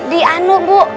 di anu bu